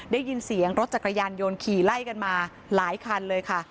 ได้ยินเสียงรถจักรยานยนต์ขี่ไล่กันมาหลายคันเลยค่ะ